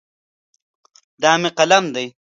دا مې قلم دی.